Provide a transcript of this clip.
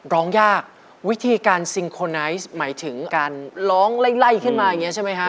ร้องยากวิธีการซิงโคไนท์หมายถึงการร้องไล่ไล่ขึ้นมาอย่างนี้ใช่ไหมฮะ